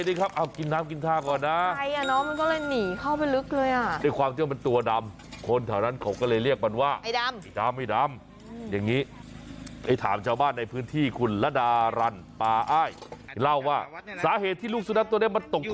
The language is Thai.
อย่างนี้ครับสรุปว่าใช้เวลาประมาณสัก๖ชั่วโมง